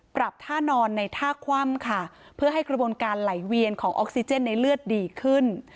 ปรับท่านอนในท่าคว่ำค่ะเพื่อให้กระบวนการไหลเวียนของออกซิเจนในเลือดดีขึ้น